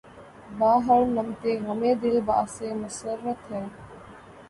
بہ ہر نمط غمِ دل باعثِ مسرت ہے